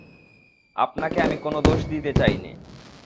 আপনাকে আমি কোনো দোষ দিতে চাই নে।